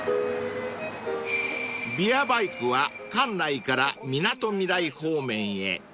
［ビアバイクは関内からみなとみらい方面へ］